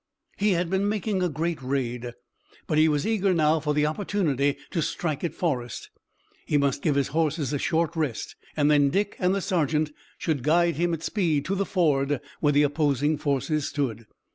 He had been making a great raid, but he was eager now for the opportunity to strike at Forrest. He must give his horses a short rest, and then Dick and the sergeant should guide him at speed to the ford where the opposing forces stood.